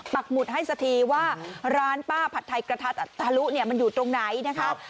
หมุดให้สักทีว่าร้านป้าผัดไทยกระทัดทะลุเนี่ยมันอยู่ตรงไหนนะคะ